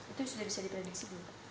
itu sudah bisa diprediksi